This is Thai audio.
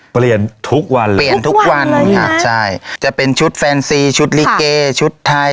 เปลี่ยนทุกวันเลยเปลี่ยนทุกวันค่ะใช่จะเป็นชุดแฟนซีชุดลิเกชุดไทย